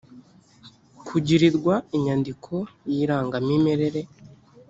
kugirirwa inyandiko y irangamimerere